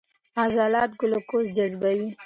عضلات ګلوکوز جذبوي.